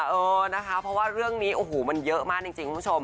เออนะคะเพราะว่าเรื่องนี้โอ้โหมันเยอะมากจริงคุณผู้ชม